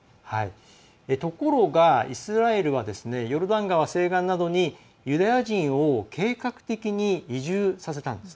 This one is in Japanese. ところが、イスラエルはヨルダン川西岸などにユダヤ人を計画的に移住させたんです。